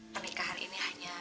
pernikahan ini hanya